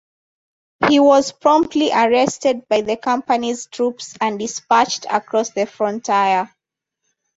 He was promptly arrested by the Company's troops and dispatched across the frontier.